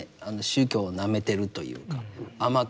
宗教をなめてるというか甘く見てる。